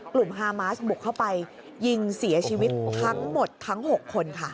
ฮามาสบุกเข้าไปยิงเสียชีวิตทั้งหมดทั้ง๖คนค่ะ